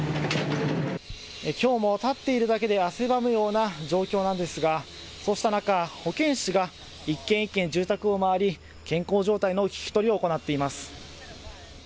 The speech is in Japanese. きょうも立っているだけで汗ばむような状況なんですがこうした中、保健師が一軒一軒住宅を回り健康状態の聞き取りを行っています。